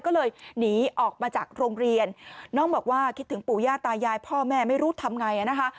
ก็เลยหนีออกมาจากโรงเรียนน้องบอกว่าคิดถึงปู่ย่าตายายพ่อแม่ไม่รู้ทำไงนะคะ